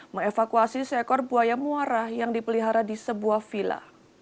mevakuasi seekor buaya muara yang dipelihara di sebuah vila